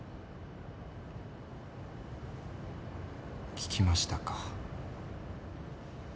聞きましたか。